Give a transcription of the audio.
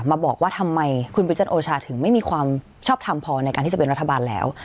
มาบอกว่าทำไมคุณประจันทร์โอชาถึงไม่มีความชอบทำพอในการที่จะเป็นรัฐบาลแล้ว